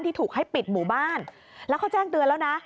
ถูกให้ปิดหมู่บ้านแล้วเขาแจ้งเตือนแล้วนะ